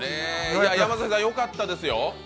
山添君、よかったですよ。